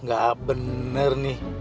nggak bener nih